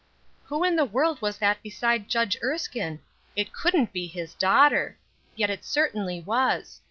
Who in the world was that beside Judge Erskine? It couldn't be his daughter! Yet it certainly was.